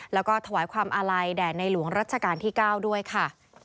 แล้วก็ถวายความอาลัยแด่ในหลวงรัชกาลที่๙ด้วยค่ะ